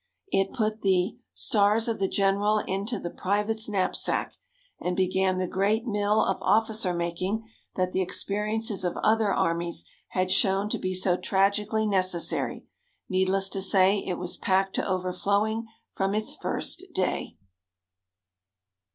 It put the "stars of the general into the private's knapsack," and began the great mill of officer making that the experiences of other armies had shown to be so tragically necessary. Needless to say, it was packed to overflowing from its first day.